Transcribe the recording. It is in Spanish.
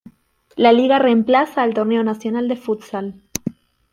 La Liga reemplaza al Torneo Nacional de Futsal.